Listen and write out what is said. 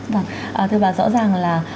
vâng thưa bà rõ ràng là